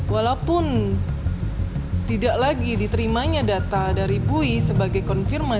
walaupun tidak lagi diterimanya data dari bui sebagai konfirmasi